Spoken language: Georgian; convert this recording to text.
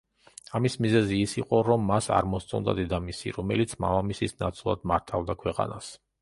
ამის მიზეზი ის იყო, რომ მას არ მოსწონდა დედამისი, რომელიც მამამისის ნაცვლად მართავდა ქვეყანას.